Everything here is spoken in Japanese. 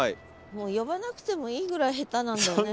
呼ばなくてもいいぐらい下手なんだよね